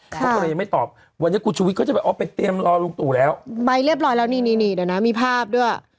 เขาก็เลยยังไม่ตอบวันนี้คุณชุวิตก็จะแบบอ๋อไปเตรียมรอลุงตู่แล้วใบเรียบร้อยแล้วนี่นี่เดี๋ยวนะมีภาพด้วย